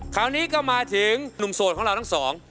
คราวนี้ก็มาถึงหนุ่มโสดของเราทั้งสอง